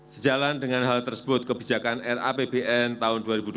sejalan dengan hal tersebut kebijakan rapbn tahun dua ribu dua puluh